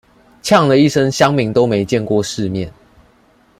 嗆了一聲鄉民都沒見過世面